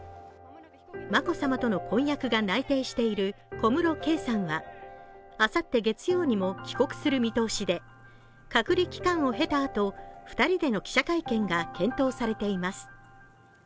眞子さまとの婚約が内定している小室圭さんはあさって月曜にも帰国する見通しで、隔離期間を経たあと、２人での記者会見が検討されています。